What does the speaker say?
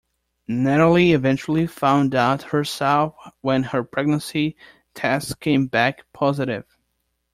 Natalie eventually found out herself when her pregnancy test came back positive.